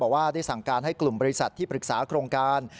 ว่าได้สั่งการให้กลุ่มบริษัทที่ปรึกษาโครงการ